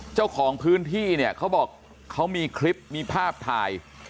เจ้าของพื้นที่เนี่ยเขาบอกเขามีคลิปมีภาพถ่าย